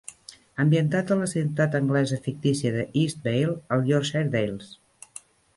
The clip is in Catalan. Ambientat en la ciutat anglesa fictícia d'Eastvale, als Yorshire Dales.